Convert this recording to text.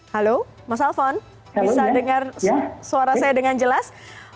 halo mas alphon bisa dengar suara saya dengan jelas